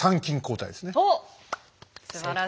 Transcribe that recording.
おっすばらしい。